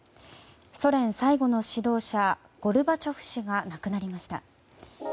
ソ連最後の指導者ゴルバチョフ氏が亡くなりました。